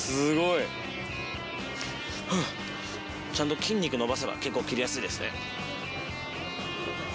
ちゃんと筋肉伸ばせば結構切りやすいですね。